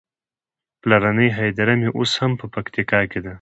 پلرنۍ هديره مې اوس هم په پکتيکا کې ده.